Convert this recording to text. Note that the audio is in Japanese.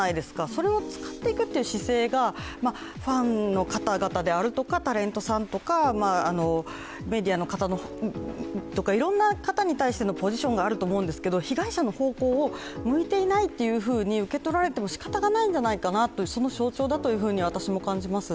それを使っていくという姿勢が、ファンの方々であるとかタレントさんとか、メディアの方とかいろんな方に対してのポジションがあると思うんですけど被害者の方向を向いていないというふうに受け止められてもしかたないという象徴だと私も感じます。